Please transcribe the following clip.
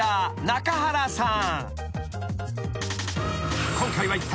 中原さん。